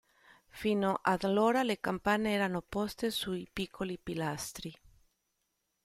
Fino ad allora le campane erano poste su piccoli pilastri.